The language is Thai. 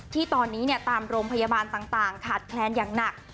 ที่ตอนนี้ตามโรงพยาบาลต่างขาดแคลนอย่างหนัก